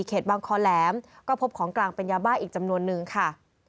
บางคอแหลมก็พบของกลางเป็นยาบ้าอีกจำนวนนึงค่ะ